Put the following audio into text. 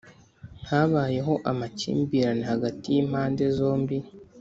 habayeho amakimbirane hagati y impande zombi